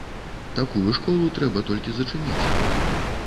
Такую школу трэба толькі зачыніць.